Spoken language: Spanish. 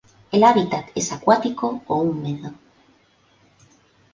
El hábitat es acuático o húmedo.